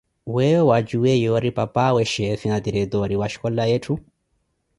Weeyo wa tjuwiye yoori papawe chefe na tiretore wa oxhicola weethu?